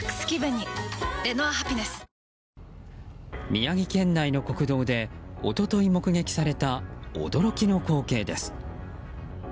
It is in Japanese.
宮城県内の国道で一昨日目撃された驚きの光景です。